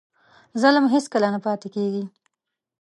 ظلم هېڅکله نه پاتې کېږي.